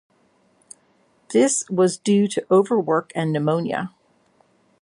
This was due to overwork and pneumonia.